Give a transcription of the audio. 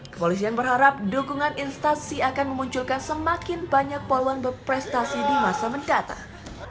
kepolisian berharap dukungan instansi akan memunculkan semakin banyak poluan berprestasi di masa mendatang